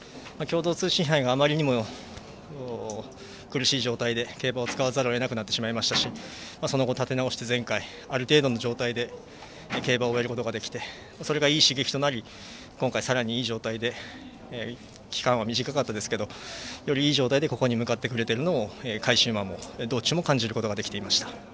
共同通信杯があまりにも苦しい状態で競馬を使わざるをえなくなってましたしその後、立て直して前回ある程度の状態で競馬を終えることができてそれがいい刺激となり今回、さらにいい状態で期間は短かったですけどより、いい状態でここに向かってくれているのを返し馬も道中も感じることができました。